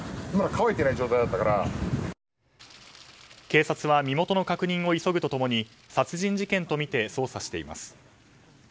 警察は身元の確認を急ぐと共に殺人事件とみて捜査しています。